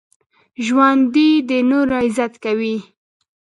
ژوندي د نورو عزت کوي